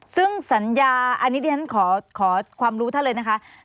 ซึ่งสัญญาอันนี้ที่ฉันขอความรู้ท่านเลยนะคะ